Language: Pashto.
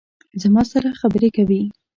زما سره خبرې کوي